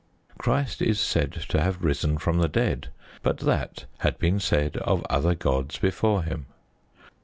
Christ is said to have risen from the dead. But that had been said of other gods before Him.